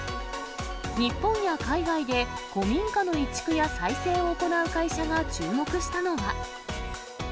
日本や海外で古民家の移築や再生を行う会社が注目したのは。